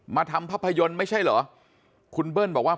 ทำภาพยนตร์ไม่ใช่เหรอคุณเบิ้ลบอกว่า